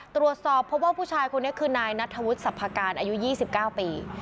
ตรวจสอบเพราะว่าผู้ชายคนนี้คือนายนัทธวุฒิสรรพการอายุ๒๙ปี